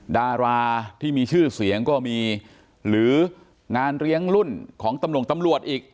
ดาราที่มีชื่อเสียงก็มีหรืองานเลี้ยงรุ่นของตำรวจตำรวจอีก